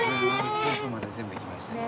スープまで全部行きましたね。